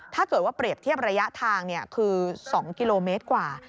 ถ้าเกิดว่าเปรียบเทียบระยะทางคือ๒กิโลเมตรกว่า